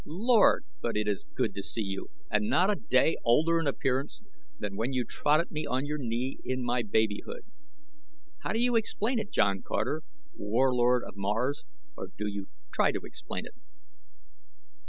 Lord! but it is good to see you and not a day older in appearance than when you trotted me on your knee in my babyhood. How do you explain it, John Carter, Warlord of Mars, or do you try to explain it?"